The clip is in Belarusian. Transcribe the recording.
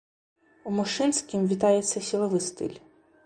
У мужчынскім вітаецца сілавы стыль.